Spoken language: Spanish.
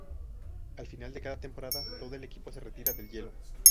Al final de cada temporada todo el equipo se retira del hielo.